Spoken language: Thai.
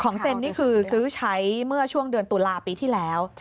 เซ็นนี่คือซื้อใช้เมื่อช่วงเดือนตุลาปีที่แล้ว